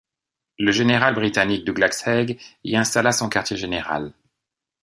Le général britannique Douglas Haig y installa son quartier général.